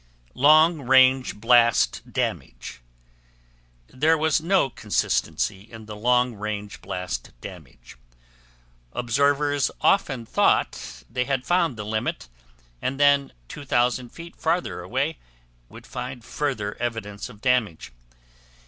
LONG RANGE BLAST DAMAGE There was no consistency in the long range blast damage. Observers often thought that they had found the limit, and then 2,000 feet farther away would find further evidence of damage.